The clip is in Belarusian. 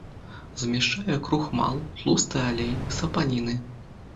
Змяшчае крухмал, тлусты алей, сапаніны.